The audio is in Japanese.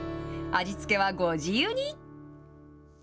味付けはご自由に。